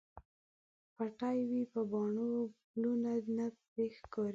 پټې وې په پاڼو، پلونه نه پرې ښکاریدل